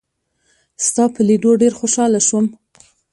ستا په لیدو ډېر خوشاله شوم.